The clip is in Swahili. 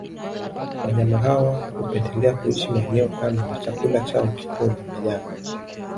Wanyama hawa hupendelea kuishi maeneo kame na chakula chao kikuu ni majani